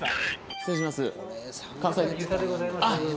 失礼します。